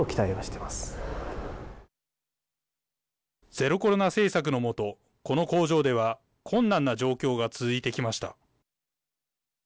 ゼロコロナ政策の下この工場では困難な状況が続いてきました。